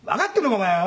お前はよ」。